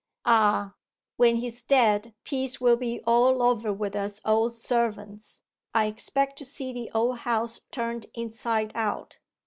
'Ah!... When he's dead peace will be all over with us old servants. I expect to see the old house turned inside out.